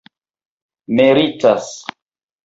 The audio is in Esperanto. meritas